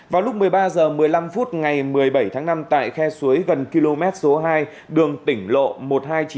vào lúc một mươi ba h một mươi năm phút ngày một mươi bảy tháng năm tại khe suối gần km số hai đường tỉnh lộ một trăm hai mươi chín b thuộc khu vực hà nội